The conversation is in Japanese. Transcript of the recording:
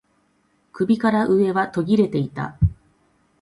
首から上は途切れていた